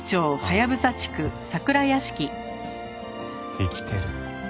生きてる。